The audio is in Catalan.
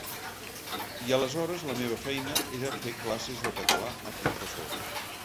I aleshores la meva feina era fer classes de català a professors.